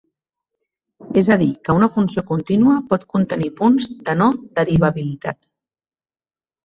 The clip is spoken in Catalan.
És a dir, que una funció contínua pot contenir punts de no derivabilitat.